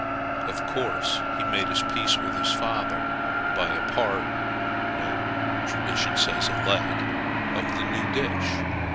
Of course he made his peace with his father by a part (tradition says a leg) of the new dish.